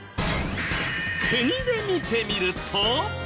国で見てみると。